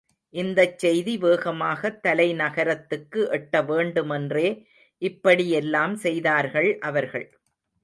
இந்தச் செய்தி வேகமாகத் தலைநகரத்துக்கு எட்ட வேண்டுமென்றே இப்படி எல்லாம் செய்தார்கள் அவர்கள்.